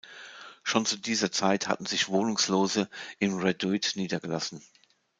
Schon zu dieser Zeit hatten sich Wohnungslose im Reduit niedergelassen.